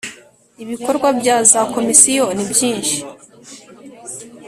ibikorwa bya za komisiyo ni byinshi